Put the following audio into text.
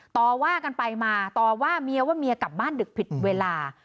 ต่อว่ากันไปมาต่อว่าเมียว่าเมียกลับบ้านดึกผิดเวลา